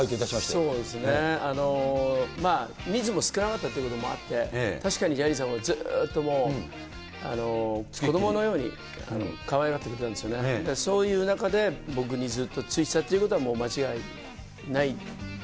そうですね、まあ人数も少なかったということもあって、確かにジャニーさんはずっともう、子どものようにかわいがってくれたんですよね。そういう中で、僕にずっとついてたってことは、もう間違いないですね。